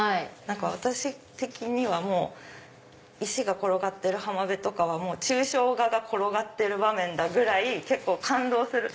私的にはもう石が転がってる浜辺とかは抽象画が転がってる場面だ！ぐらい感動する。